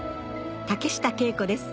竹下景子です